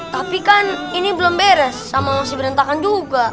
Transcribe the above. tapi kan ini belum beres sama masih berantakan juga